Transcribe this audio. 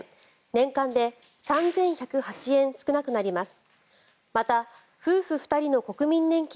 年間で１万８３６円少なくなります。